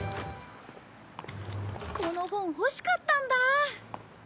この本欲しかったんだ。